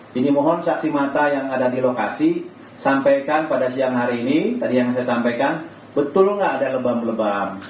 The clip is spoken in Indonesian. jadi mohon saksi mata yang ada di lokasi sampaikan pada siang hari ini tadi yang saya sampaikan betul nggak ada lebam lebam